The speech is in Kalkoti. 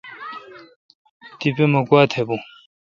تیپہ مہ گوا تھ بھون۔